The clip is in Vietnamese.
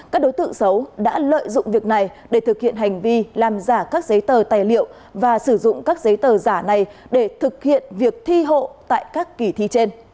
các đối tượng xấu đã lợi dụng việc này để thực hiện hành vi làm giả các giấy tờ tài liệu và sử dụng các giấy tờ giả này để thực hiện việc thi hộ tại các kỳ thi trên